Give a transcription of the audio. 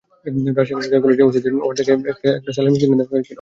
Rajshahi medical কলেজের OCC ward থেকে তাঁকে একটি সেলাই মেশিন দেওয়া হয়েছিল।